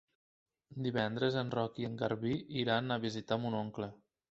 Divendres en Roc i en Garbí iran a visitar mon oncle.